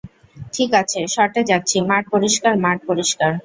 ঠিক আছে, শট এ যাচ্ছি, মাঠ পরিষ্কার, মাঠ পরিষ্কার।